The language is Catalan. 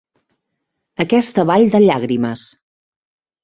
Aquesta vall de llàgrimes.